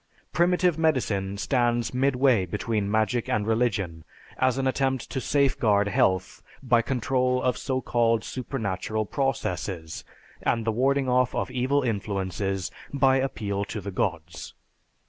Primitive medicine stands midway between magic and religion, as an attempt to safeguard health by control of so called supernatural processes, and the warding off of evil influences by appeal to the gods.